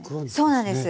そうなんです。